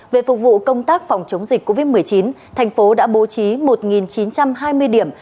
về phục vụ công tác phòng chống dịch covid một mươi chín thành phố đã bố trí một chín trăm hai mươi điểm